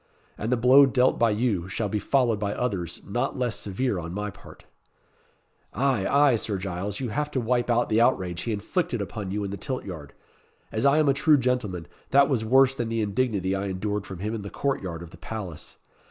And the blow dealt by you, shall be followed by others not less severe on my part." "Ay, ay, Sir Giles, you have to wipe out the outrage he inflicted upon you in the tilt yard. As I am a true gentleman, that was worse than the indignity I endured from him in the court yard of the palace.